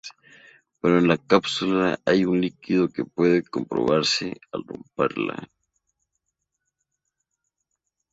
Pero en la "cápsula," hay un líquido que puede probarse al romperla.